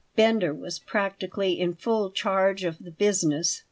Bender was practically in full charge of the business.